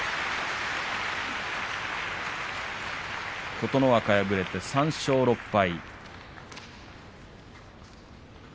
琴ノ若、敗れて３勝６敗。